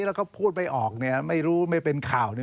แล้วก็พูดไม่ออกเนี่ยไม่รู้ไม่เป็นข่าวเนี่ย